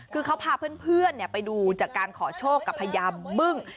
คือเขาพาเพื่อนไปดูจากการขอโชคกับพญาบึ้ง